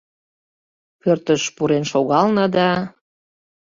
Пӧртыш пурен шогална да